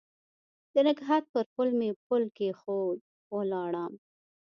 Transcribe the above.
د نګهت پر پل مې پل کښېښوی ولاړم